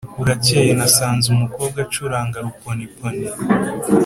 buracyeye/ nasanze u m ukobwaj acuranga ruponpo/ nei